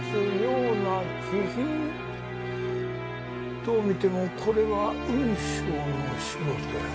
どう見てもこれは雲尚の仕事やな。